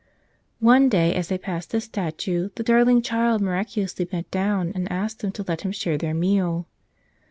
One day, as they passed this statue, the darling Child miraculously bent down and asked them to let Him share their meal.